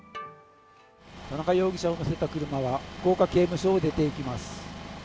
田中容疑者を乗せた車が、福岡刑務所を出て行きます。